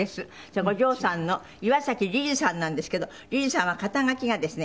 お嬢さんの岩崎リズさんなんですけどリズさんは肩書がですね